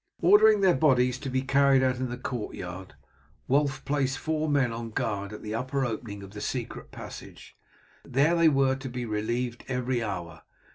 Ordering their bodies to be carried out into the courtyard, Wulf placed four men on guard at the upper opening of the secret passage. They were to be relieved every hour.